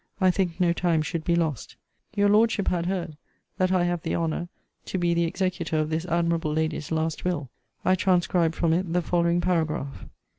I think no time should be lost. Your Lordship had head that I have the honour to be the executor of this admirable lady's last will. I transcribe from it the following paragraph.